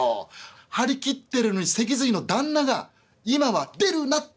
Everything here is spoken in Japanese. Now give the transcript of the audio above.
張り切ってるのに脊髄の旦那が今は出るなって言うんですよ！」。